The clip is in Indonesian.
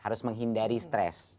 harus menghindari stress